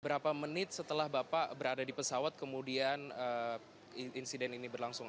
berapa menit setelah bapak berada di pesawat kemudian insiden ini berlangsung